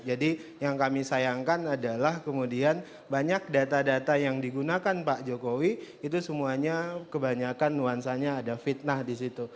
jadi yang kami sayangkan adalah kemudian banyak data data yang digunakan pak jokowi itu semuanya kebanyakan nuansanya ada fitnah di situ